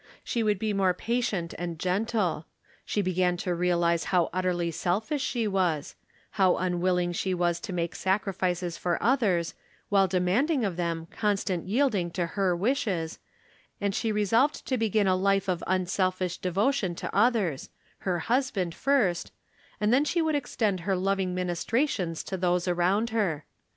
She Avould be more patient and gentle. She be gan to realize how utterly selfish she was ; how unwilling she was to make sacrifices for others, while demanding of them constant yielding to her wishes, and she resolved to begin a life of un selfish devotion to others — her husband first — and then she would extend her loving ministra tions to those around her.